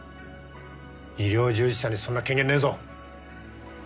医療従事者にそんな権限ねえぞ。